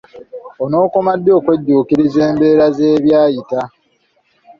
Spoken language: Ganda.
Onaakoma ddi okwejjuukiriza embeera ez'ebyayita?